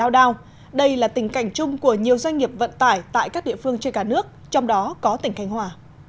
đây là tình cảnh chung của nhiều doanh nghiệp vận tải tại các địa phương trên cả nước trong đó có tỉnh khánh hòa